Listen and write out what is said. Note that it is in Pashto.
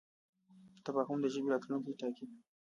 تفاهم د ژبې راتلونکی ټاکي.